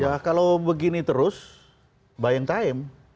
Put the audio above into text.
ya kalau begini terus buy and time